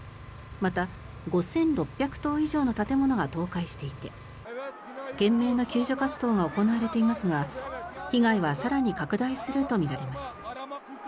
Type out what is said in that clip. また、５６００棟以上の建物が倒壊していて懸命な救助活動が行われていますが被害は更に拡大するとみられます。